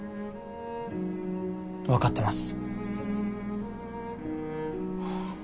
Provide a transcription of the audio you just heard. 分かってます。